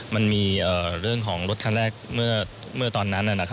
มันมีเรื่องของรถคันแรกเมื่อตอนนั้น